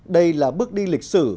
đây là bước đi lịch sử